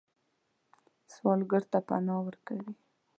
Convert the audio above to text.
سوالګر ته پناه ورکوئ